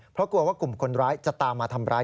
เพราะกลัวว่ากลุ่มคนร้ายจะตามมาทำร้าย